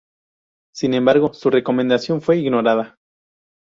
Sin embargo, su recomendación fue ignorada.